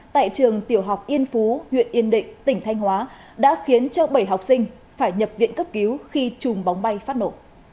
tại trường tiểu học yên phú huyện yên định tỉnh thanh hóa đã khiến bảy học sinh phải nhập viện cấp cứu khi chùm bóng bay phát nổ